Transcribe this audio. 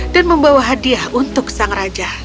dan membawa hadiah untuk sang raja